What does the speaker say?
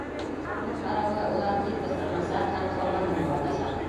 Уның ҡарауы, улар тиҙ бысранасаҡ һәм формаһын юғалтасаҡ.